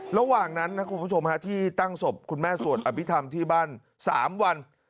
ระหว่างนั้นนะคุณผู้ชมที่ตั้งศพคุณแม่สวดอภิษฐรรมที่บ้าน๓วัน